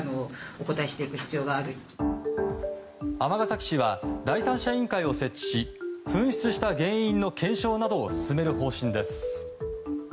尼崎市は第三者委員会を設置し紛失した原因の検証などを進める方針です。